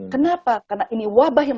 kenapa karena ini wabah yang